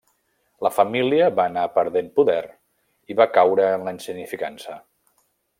La família va anar perdent poder i va caure en la insignificança.